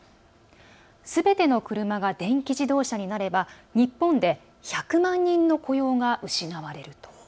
すべての車が電気自動車になれば日本で１００万人の雇用が失われる。